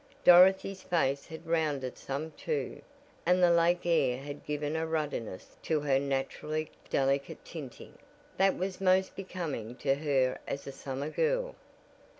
Dorothy's face had rounded some too, and the Lake air had given a ruddiness to her naturally delicate tinting, that was most becoming to her as a summer girl.